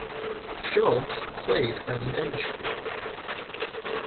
Schultz played as an amateur.